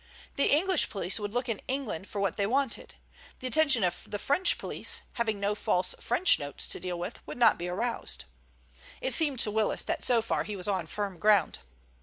The English police would look in England for what they wanted. The attention of the French police, having no false French notes to deal with, would not be aroused. It seemed to Willis that so far he was on firm ground.